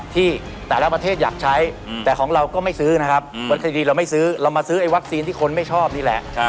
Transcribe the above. ที่แต่ละประเทศอยากใช้แต่ของเราก็ไม่ซื้อนะครับวันคดีเราไม่ซื้อเรามาซื้อไอ้วัคซีนที่คนไม่ชอบนี่แหละ